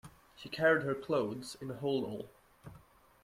She carried her clothes in a holdall